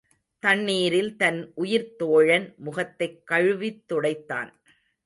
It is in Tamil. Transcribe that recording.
தண்ணீரில் தன் உயிர்த் தோழன் முகத்தைக் கழுவித் துடைத்தான்.